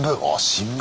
新聞